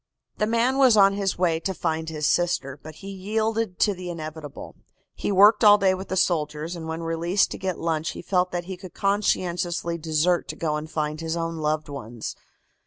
"The man was on his way to find his sister, but he yielded to the inevitable. He worked all day with the soldiers, and when released to get lunch he felt that he could conscientiously desert to go and find his own loved ones."